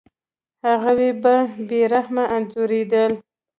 هغوی به بې رحمه انځورېدل.